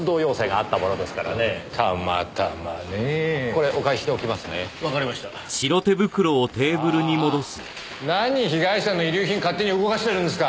あーあーあー何被害者の遺留品勝手に動かしてるんですか！